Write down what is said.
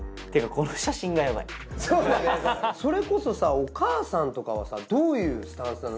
それこそさお母さんとかはどういうスタンスなの？